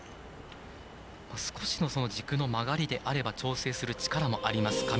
少しの軸の曲がりであれば調整する力もあります